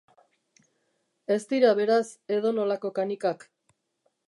Ez dira, beraz, edonolako kanikak.